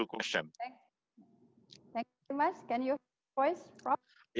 ya saya bisa dengar anda dengan sangat baik